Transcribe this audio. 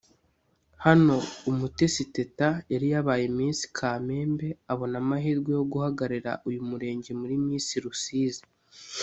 Hano Umutesi Teta yari yabaye Miss Kamembe abona amahirwe yo guhagararira uyu Murenge muri Miss Rusizi